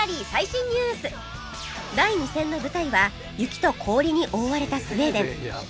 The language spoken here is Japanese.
第２戦の舞台は雪と氷に覆われたスウェーデン